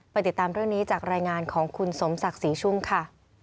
ติดตามเรื่องนี้จากรายงานของคุณสมศักดิ์ศรีชุ่มค่ะ